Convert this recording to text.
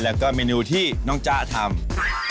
แล้วก็เมนูที่น้องจ๊ะทำ